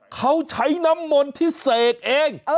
เขาใช้น้ำมนต์ที่เสกเอง